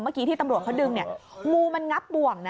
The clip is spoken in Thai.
ที่ตำรวจเขาดึงเนี่ยงูมันงับบ่วงนะ